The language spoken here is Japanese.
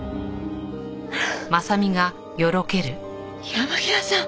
山際さん